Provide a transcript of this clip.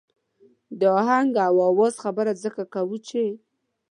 د آهنګ او آواز خبره ځکه کوو چې.